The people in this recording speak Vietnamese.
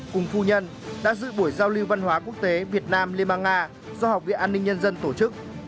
cùng phu nhân đã dự buổi giao lưu văn hóa quốc tế việt nam liên bang nga do học viện an ninh nhân dân tổ chức